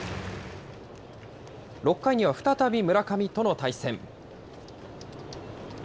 ６回には再び村上との対戦。